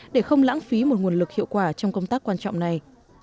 để không lãng phí một nguồn lực hiệu quả trong công tác quan trọng này